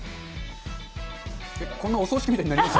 こんなお葬式みたいになりま